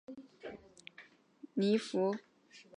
唐密秽迹金刚像上顶有释迦牟尼佛。